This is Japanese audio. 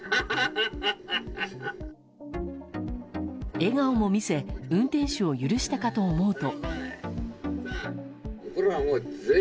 笑顔を見せ運転手を許したかと思うと。